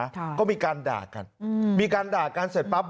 ค่ะก็มีการด่ากันอืมมีการด่ากันเสร็จปั๊บ